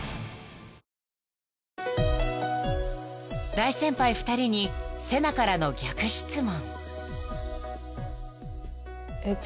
［大先輩２人にセナからの逆質問］